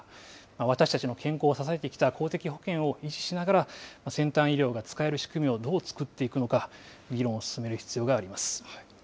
私たちの健康を支えてきた公的保険を維持しながら、先端医療を使える仕組みをどう作っていくのか、議論を進める必要があります。